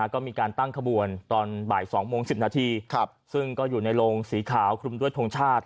ก็มีการตั้งขบวนตอนบ่าย๒โมง๑๐นาทีซึ่งก็อยู่ในโรงสีขาวคลุมด้วยทงชาติ